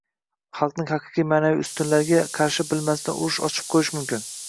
xalqning haqiqiy ma’naviy ustunlariga qarshi bilmasdan urush ochib qo‘yish mumkin.